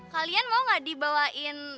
kalian mau gak dibawain